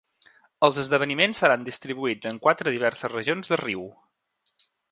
Els esdeveniments seran distribuïts en quatre diverses regions de Riu.